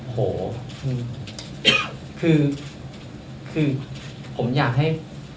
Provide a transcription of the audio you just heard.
โหคือผมอยากให้